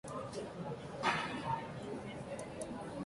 Su primer encargo fue una casa para perros.